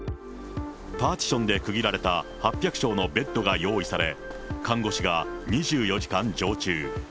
パーティションで区切られた８００床のベッドが用意され、看護師が２４時間常駐。